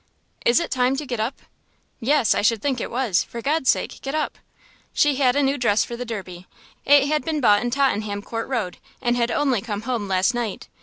"Is it time to get up?" "Yes, I should think it was. For God's sake, get up." She had a new dress for the Derby. It had been bought in Tottenham Court Road, and had only come home last night.